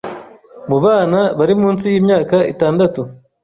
mu bana bari munsi y'imyaka itandatu